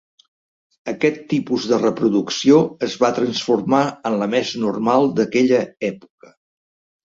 Aquest tipus de reproducció es va transformar en la més normal d'aquella època.